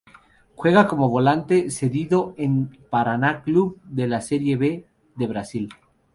Juega como volante cedido en Paraná Clube de la Serie B de Brasil.